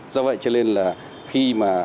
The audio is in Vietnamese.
do vậy cho nên là khi mà